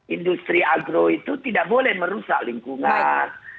industri agro itu tidak boleh merusak lingkungan